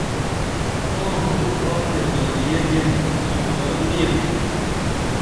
تاں خُکم تھاتے تادیہ گیم سُوارہ نی ییتُھم